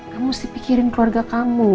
kamu harus dipikirin keluarga kamu